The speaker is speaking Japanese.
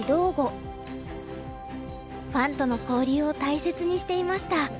ファンとの交流を大切にしていました。